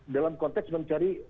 dalam konteks mencari dokumennya